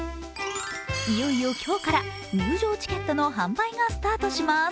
いよいよ今日から入場チケットの販売がスタートします。